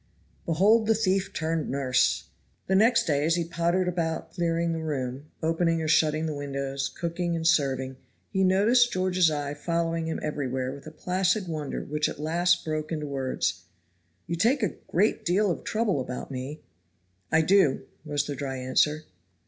Behold the thief turned nurse! The next day as he pottered about clearing the room, opening or shutting the windows, cooking and serving, he noticed George's eye following him everywhere with a placid wonder which at last broke into words: "You take a deal of trouble about me." "I do," was the dry answer.